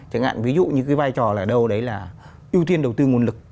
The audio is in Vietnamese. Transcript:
chẳng hạn ví dụ như cái vai trò là đâu đấy là ưu tiên đầu tư nguồn lực